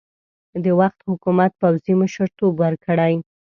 د وخت حکومت پوځي مشرتوب ورکړي.